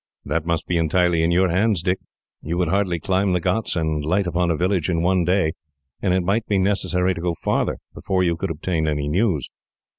"That must be entirely in your hands, Dick. You would hardly climb the ghauts and light upon a village in one day, and it might be necessary to go farther, before you could obtain any news.